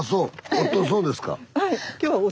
夫そうですか。